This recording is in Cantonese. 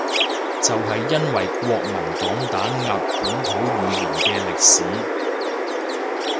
就係因為國民黨打壓本土語言嘅歷史